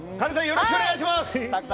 よろしくお願いします！